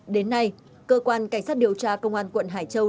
đến nay cơ quan cảnh sát điều tra công an quận hải châu